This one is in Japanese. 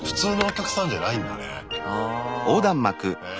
へえ。